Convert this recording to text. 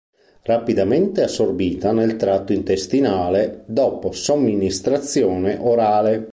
Rapidamente assorbita nel tratto intestinale dopo somministrazione orale.